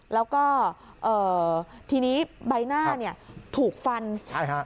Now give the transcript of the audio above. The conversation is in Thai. แล้วก็เอ่อทีนี้ใบหน้าเนี่ยถูกฟันใช่ฮะ